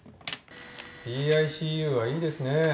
ＰＩＣＵはいいですね。